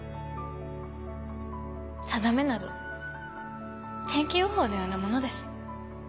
さだめなど天気予報のようなものです。